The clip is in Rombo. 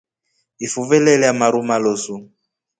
Ifuve lelya maru malosu.